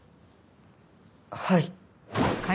はい。